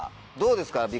どうですか？